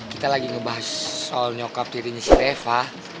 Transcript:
kita lagi ngebahas soal nyokap dirinya si reva